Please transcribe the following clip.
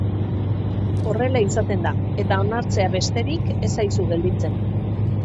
Horrela izaten da, eta onartzea besterik ez zaizu gelditzen.